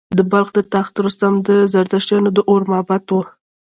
د بلخ د تخت رستم د زردشتیانو د اور معبد و